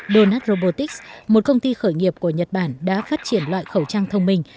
donut robotics một công ty khởi nghiệp của nhật bản đã phát triển loại khẩu trang thông minh